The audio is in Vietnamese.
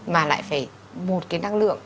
mà lại phải một cái năng lượng